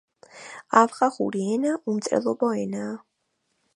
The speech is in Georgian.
ახვახური ენა უმწერლობო ენაა.